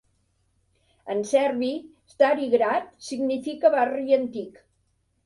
En servi, "Stari Grad" significa 'barri antic'.